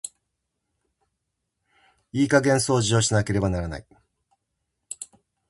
いい加減掃除をしなければならない。